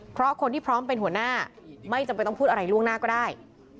เพราะคนที่พร้อมเป็นหัวหน้าไม่จำเป็นต้องพูดอะไรล่วงหน้าก็ได้